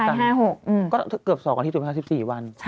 ถ่าย๕๖อืมก็เกือบ๒กว่าทีถูกไหมคะ๑๔วัน